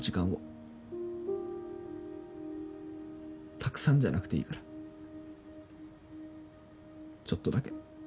たくさんじゃなくていいからちょっとだけ。